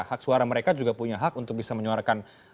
hak suara mereka juga punya hak untuk bisa menyuarakan